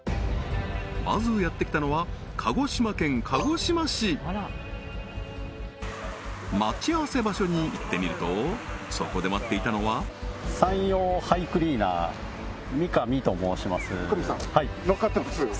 まずやってきたのは待ち合わせ場所に行ってみるとそこで待っていたのは山陽ハイクリーナー三上と申します